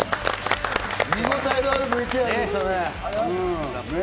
見応えあるＶＴＲでしたね。